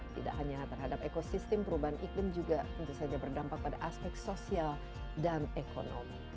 tidak hanya terhadap ekosistem perubahan iklim juga tentu saja berdampak pada aspek sosial dan ekonomi